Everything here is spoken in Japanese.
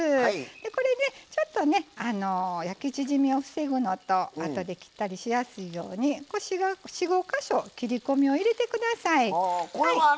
これで、焼き縮みを防ぐのとあとで切ったりしやすいように４５か所切りこみを入れてください。